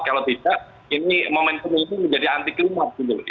kalau tidak momentum ini menjadi anti klimat